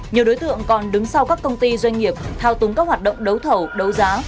nhiều đối tượng còn đứng sau các công ty doanh nghiệp thao túng các hoạt động đấu thầu đấu giá